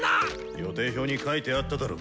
予定表に書いてあっただろう。